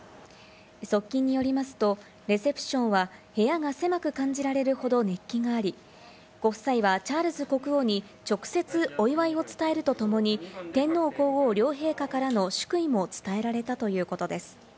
側近によりますと、レセプションは部屋が狭く感じられるほど熱気があり、ご夫妻はチャールズ国王に直接お祝いを伝えるとともに、天皇皇后両陛下からの祝意も伝えられたということです。